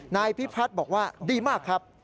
นายพิพัฒน์บอกว่าดีมากครับ